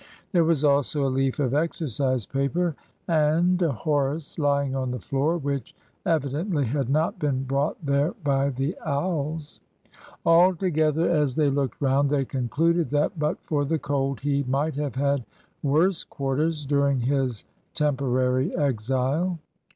There was also a leaf of exercise paper and a Horace lying on the floor, which evidently had not been brought there by the owls. Altogether, as they looked round, they concluded that, but for the cold, he might have had worse quarters during his temporary exile.